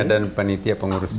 dan panitia pengurusnya